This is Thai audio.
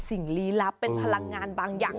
ลี้ลับเป็นพลังงานบางอย่าง